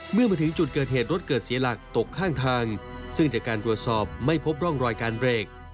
เมื่อมาถึงจุดเกิดเหตุรถเกิดเสียหลักตกข้างทางซึ่งจากการตรวจสอบไม่พบร่องรอยการเบรก